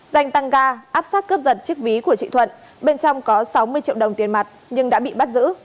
danh tăng ga áp sát cướp giật chiếc ví của chị thuận bên trong có sáu mươi triệu đồng tiền mặt nhưng đã bị bắt giữ